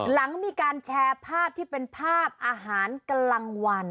หลังมีการแชร์ภาพที่เป็นภาพอาหารกลางวัน